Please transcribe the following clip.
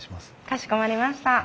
かしこまりました。